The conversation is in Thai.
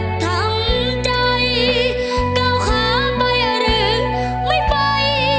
จดทำใจเก้าข้างไปหรือไม่ไป